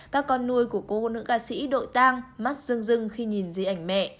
các con nuôi của cô nữ ca sĩ đội tang mắt dưng dưng khi nhìn xí ảnh mẹ